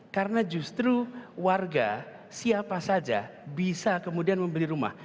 karena justru warga siapa saja bisa kemudian membeli rumah